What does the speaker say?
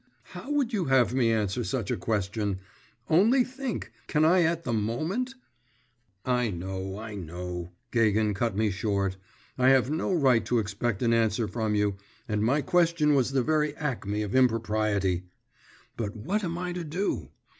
'How would you have me answer such a question? Only think; can I at the moment ' 'I know, I know,' Gagin cut me short; 'I have no right to expect an answer from you, and my question was the very acme of impropriety.… But what am I to do?